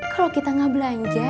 kalau kita nggak belanja